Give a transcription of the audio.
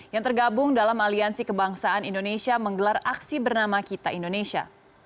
yang tergabung dalam aliansi kebangsaan indonesia menggelar aksi bernama kita indonesia